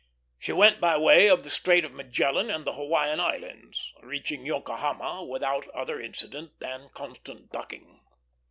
She went by way of the Strait of Magellan and the Hawaiian Islands, reaching Yokohama without other incident than constant ducking.